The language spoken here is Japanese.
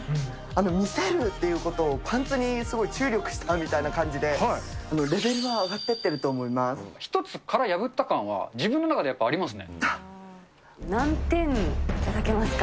見せるっていうことをパンツに注力したみたいな感じで、レベルが上がっていってると思い一つ殻破った感は、自分の中何点頂けますか。